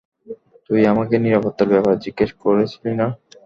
তুই আমাকে নিরাপত্তার ব্যাপারে জিজ্ঞেস করেছিলি না?